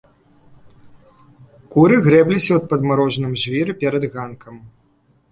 Куры грэбліся ў падмарожаным жвіры перад ганкам.